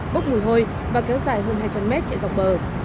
bốc mùi hôi và kéo dài hơn hai trăm linh mét chạy dọc bờ